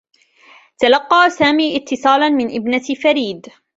تلقّى سامي اتّصالا من ابنة فريد.